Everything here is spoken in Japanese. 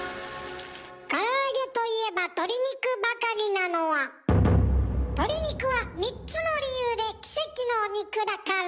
から揚げといえば鶏肉ばかりなのは鶏肉は３つの理由で奇跡の肉だから。